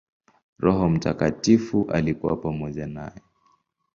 Roho Mtakatifu alikuwa pamoja naye.